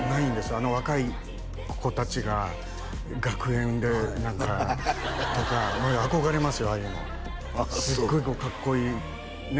あの若い子達が学園で何かとか憧れますよああいうのすっごいかっこいいねえ